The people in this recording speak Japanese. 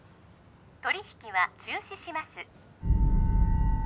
取り引きは中止します